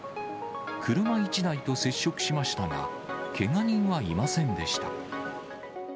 車１台と接触しましたが、けが人はいませんでした。